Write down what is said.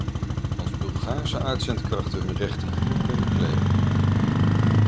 Als Bulgaarse uitzendkrachten hun rechten hier kunnen claimen.